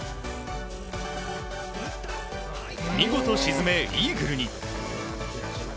見事沈め、イーグルに。